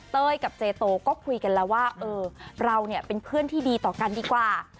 กับเจโตก็คุยกันแล้วว่าเออเราเนี่ยเป็นเพื่อนที่ดีต่อกันดีกว่า